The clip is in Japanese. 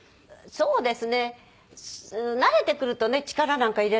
そうです。